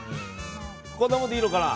こんなもんでいいのかな。